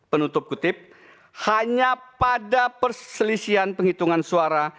penutup kutip hanya pada perselisihan penghitungan suara